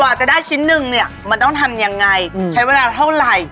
จะได้ชิ้นหนึ่งเนี่ยมันต้องทำยังไงใช้เวลาเท่าไหร่